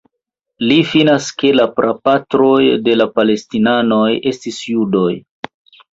Li finas ke la prapatroj de la Palestinanoj estis judoj.